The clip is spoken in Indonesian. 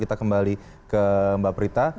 kita kembali ke mbak prita